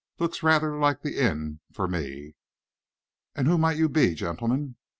Looks rather like the inn for me!" "And who might you be, gentleman?"